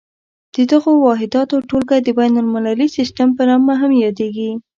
د دغو واحداتو ټولګه د بین المللي سیسټم په نامه هم یادیږي.